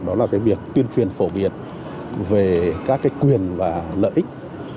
đó là việc tuyên truyền phổ biển về các quyền và lợi ích